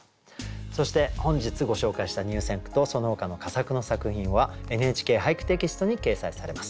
そして本日ご紹介した入選句とそのほかの佳作の作品は「ＮＨＫ俳句」テキストに掲載されます。